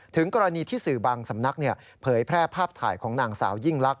ถึงกรณีที่สื่อบางสำนักเผยแพร่ภาพถ่ายของนางสาวยิ่งลักษ